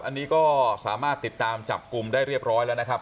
อันนี้ก็สามารถติดตามจับกลุ่มได้เรียบร้อยแล้วนะครับ